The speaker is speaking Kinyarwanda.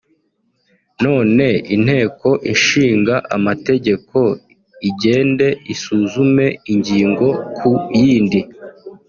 none Inteko Ishinga Amategeko igende isuzume ingingo ku yindi